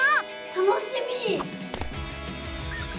楽しみ！